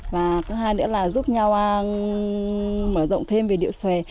và thứ hai nữa là giúp nhau mở rộng thêm về điệu xòe